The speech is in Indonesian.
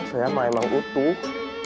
saya mah emang utuh